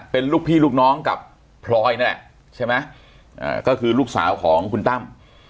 เป็นลูกพี่ลูกน้องกับพลอยนั่นแหละใช่ไหมก็คือลูกสาวของคุณตั้ม